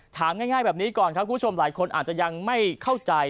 ถามง่ายแบบนี้ก่อนครับคุณผู้ชมหลายคนอาจจะยังไม่เข้าใจ